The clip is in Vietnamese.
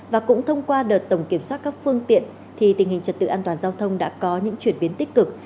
và cũng thông qua đợt tổng kiểm soát các phương tiện thì tình hình trật tự an toàn giao thông đã có những chuyển biến tích cực